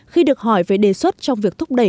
khi được hỏi về đề xuất trong việc thúc đẩy